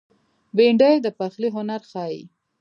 بېنډۍ د پخلي هنر ښيي